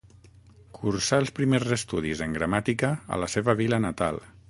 Cursà els primers estudis en gramàtica a la seva vila natal.